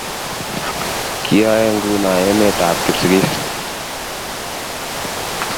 Kiyaenguno emet ab Kipsigis